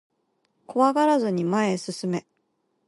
怖がらずに前へ進め